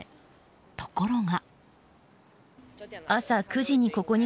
ところが。